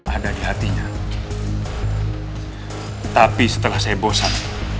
ada di hatinya tapi setelah saya bosan